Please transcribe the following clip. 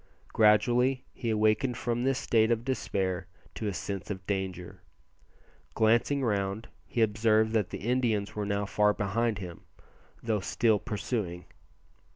Gradually he awakened from this state of despair to a sense of danger. Glancing round he observed that the Indians were now far behind him, though still pursuing.